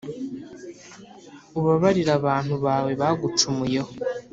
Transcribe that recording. ubabarire abantu bawe bagucumuyeho,